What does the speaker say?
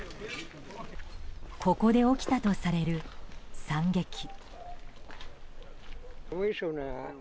ここで起きたとされる惨劇。